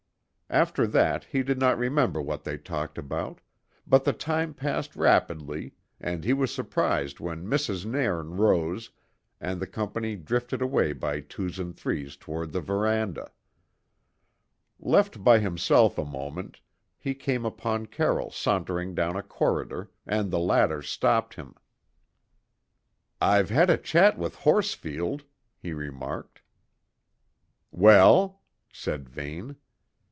After that he did not remember what they talked about; but the time passed rapidly and he was surprised when Mrs. Nairn rose and the company drifted away by twos and threes towards the verandah. Left by himself a moment, he came upon Carroll sauntering down a corridor, and the latter stopped him. "I've had a chat with Horsfield," he remarked. "Well?" said Vane.